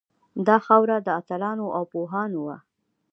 دا خاوره د اتلانو او پوهانو وه